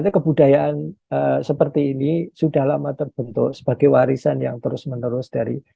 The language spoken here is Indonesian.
kebudayaan seperti ini sudah lama terbentuk sebagai warisan yang terus menerus dari